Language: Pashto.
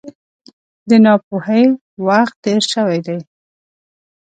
د ناپوهۍ وخت تېر شوی دی.